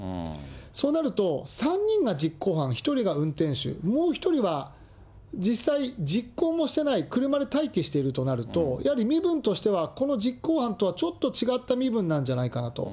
そうなると、３人が実行犯、１人が運転手、もう１人は実際、実行もしてない、車で待機しているとなると、やはり身分としては、この実行犯とはちょっと違った身分なんじゃないかなと。